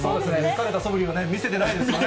疲れた素振りをね、見せてないですよね？